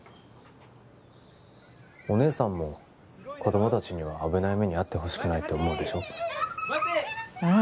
お姉さんも子ども達には危ない目に遭ってほしくないって思うでしょうん